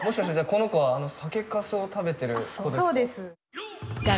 この子はあの酒かすを食べてる子ですか？